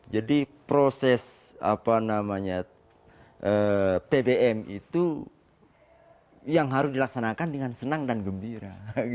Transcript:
jadi proses pbm itu yang harus dilaksanakan dengan senang dan gembira